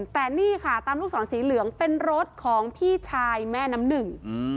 แต่นี่ค่ะตามลูกศรสีเหลืองเป็นรถของพี่ชายแม่น้ำหนึ่ง